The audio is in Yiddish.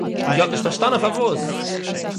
און זי האָט נישט פאַרשטאַנען פאַרוואָס